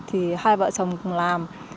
thì hai vợ chồng cũng làm